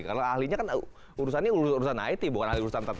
karena ahlinya kan urusannya urusan it bukan urusan tni